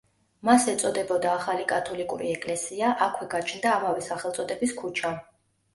მას ეწოდებოდა ახალი კათოლიკური ეკლესია, აქვე გაჩნდა ამავე სახელწოდების ქუჩა.